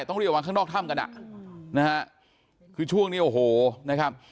ต้องระวังข้างนอกถ้ำกันนะคือช่วงนี้โอ้โหนะครับ